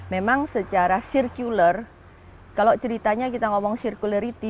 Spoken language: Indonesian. memang secara circular kalau ceritanya kita ngomong circularity